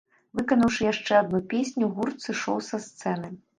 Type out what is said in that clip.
Выканаўшы яшчэ адну песню, гурт сышоў са сцэны.